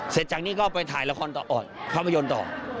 เสร็จจากนี้ก็ไปถ่ายละครต่ออ่อนภาพยนตร์ต่อ